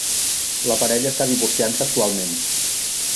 La parella està divorciant-se actualment.